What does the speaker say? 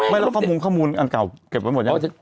ไม่แล้วข้อมูลข้อมูลอันเก่าเก็บไว้หมดแล้ว